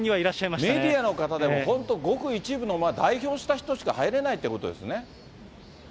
そうか、メディアの方でも、本当、ごく一部の代表した人しか入れないということですね。